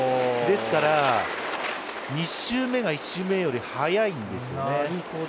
ですから２周目が１周目より速いんですよね。